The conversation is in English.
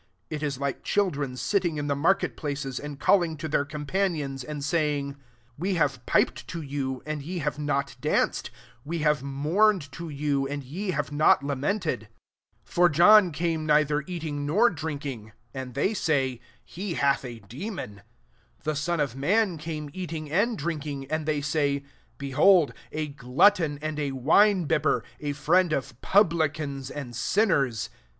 It is like chil dren sitting in the market places, and calling to their com panions, 17 and saying, * We 40 MATTHEW XU. have piped to you, and ye have not danced ; we have mourned to you, and ye have not lament ed.* 18 For John came nei ther eating nor drinking; and they say, *He hath a demon.' 19 The Son of man came eat ing and drinking ; and they say, * Behold a glutton and a wine bibber, a friend of publicans and sinners.'